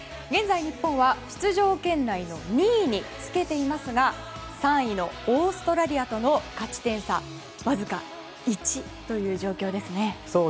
現在、日本は出場圏内の２位につけていますが３位のオーストラリアとの勝ち点差わずか１という状況ですね。